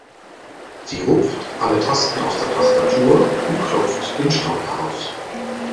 Sie rupft alle Tasten aus der Tastatur und klopft den Staub heraus.